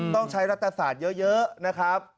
ต้องใช้รัฐศาสตร์เยอะนะครับ